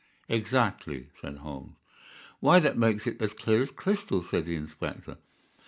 "Exactly," said Holmes. "Why, that makes it as clear as crystal," said the inspector.